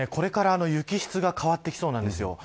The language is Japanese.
これから雪質が変わってきそうです。